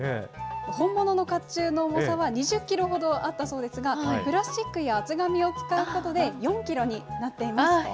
本物のかっちゅうの重さは２０キロほどあったそうですが、プラスチックや厚紙を使うことで、４キロになっています。